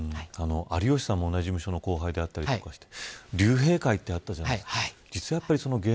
有吉さんも同じ事務所の後輩だったりして竜兵会ってあったじゃないですか。